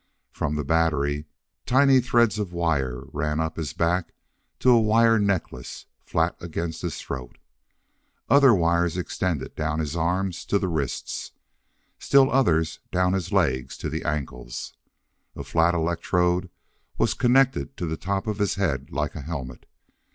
From the battery, tiny threads of wire ran up his back to a wire necklace flat against his throat. Other wires extended down his arms to the wrists. Still others down his legs to the ankles. A flat electrode was connected to the top of his head like a helmet.